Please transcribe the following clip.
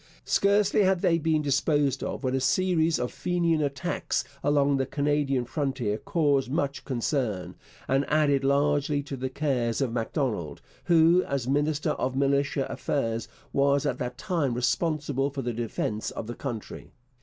Scarcely had they been disposed of when a series of Fenian attacks along the Canadian frontier caused much concern, and added largely to the cares of Macdonald, who as minister of Militia Affairs was at that time responsible for the defence of the country.